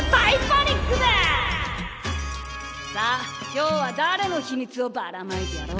今日はだれの秘密をばらまいてやろうかな。